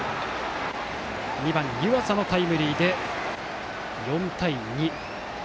２番、湯淺のタイムリーで４対２。